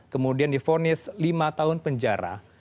kemudian difonis lima tahun penjara